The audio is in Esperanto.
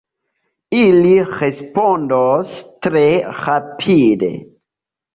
Ili respondos tre rapide!